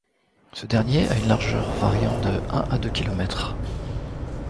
Ce dernier a une largeur variant de un à deux kilomètres.